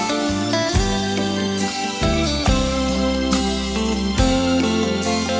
อยากจะรักคำหนึ่งคำหนึ่งคำหนึ่งคำ